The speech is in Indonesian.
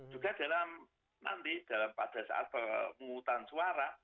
juga nanti pada saat pengumuman suara